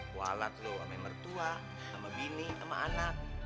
kualat loh sama mertua sama bini sama anak